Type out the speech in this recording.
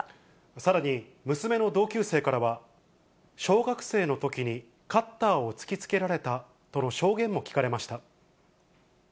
さらに、娘の同級生からは、小学生のときにカッターを突きつけられたとの証言も聞かれました。